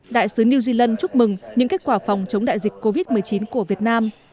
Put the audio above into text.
đại sứ new zealand chúc mừng những kết quả phòng chống đại dịch covid một mươi chín của việt nam